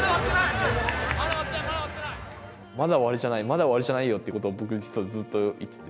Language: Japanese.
まだ終わりじゃないまだ終わりじゃないよっていうことを僕実はずっと言ってて。